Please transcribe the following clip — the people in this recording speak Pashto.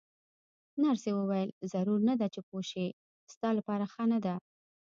نرسې وویل: ضرور نه ده چې پوه شې، ستا لپاره ښه نه ده.